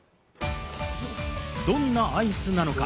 どんなアイスなのか？